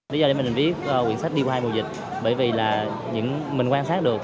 lý do để mình viết quyển sách đi qua hai mùa dịch bởi vì là mình quan sát được